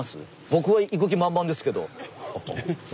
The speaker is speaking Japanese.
僕は行く気満々ですけど。